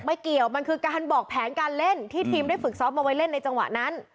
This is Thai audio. ไม่เกี่ยวมันคือการบอกแผนการเล่นที่ทีมได้ฝึกซ้อมเอาไว้เล่นในจังหวะนั้น